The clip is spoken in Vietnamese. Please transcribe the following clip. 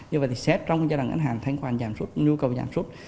như vậy thì xét trong giai đoạn ảnh hạng thanh khoản giảm rốt nhu cầu giảm rốt